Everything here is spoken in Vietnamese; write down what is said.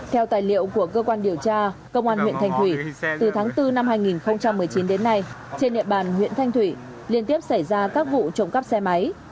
theo tài liệu của cơ quan điều tra công an huyện thanh thủy từ tháng bốn năm hai nghìn một mươi chín đến nay trên địa bàn huyện thanh thủy liên tiếp xảy ra các vụ trộm cắp xe máy